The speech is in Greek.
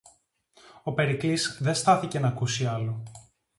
Ο Περικλής δε στάθηκε ν' ακούσει άλλο